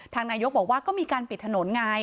นายกบอกว่าก็มีการปิดถนนไง